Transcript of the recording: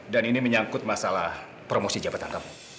dan ini menyangkut masalah promosi jabatan kamu